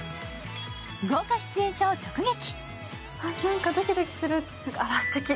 豪華出演者を直撃。